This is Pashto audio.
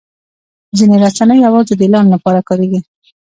ځینې رسنۍ یوازې د اعلان لپاره کارېږي.